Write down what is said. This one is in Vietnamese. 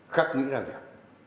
khắc nghĩ ra việc